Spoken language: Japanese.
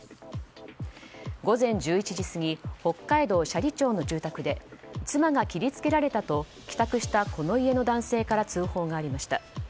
午前１１時過ぎ北海道斜里町の住宅で妻が切り付けられたと帰宅したこの家の男性から通報がありました。